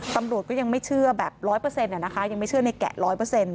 ตำรวจก็ยังไม่เชื่อแบบ๑๐๐นะคะยังไม่เชื่อในแกะ๑๐๐